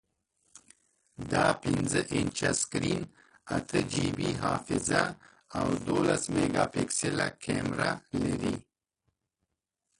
دا پنځه انچه سکرین، اته جی بی حافظه، او دولس میګاپکسله کیمره لري.